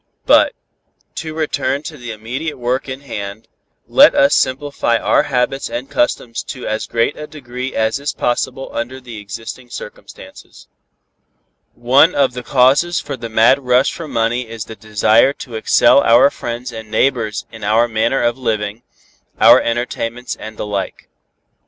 But, to return to the immediate work in hand, let us simplify our habits and customs to as great a degree as is possible under existing circumstances. One of the causes for the mad rush for money is the desire to excel our friends and neighbors in our manner of living, our entertainments and the like.